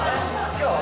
今日は？